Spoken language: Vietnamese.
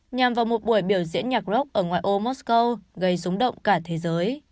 nhằm vào một buổi biểu diễn nhạc rock ở ngoài ô moscow gây súng động cả thế giới